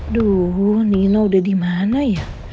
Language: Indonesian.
aduh nino udah dimana ya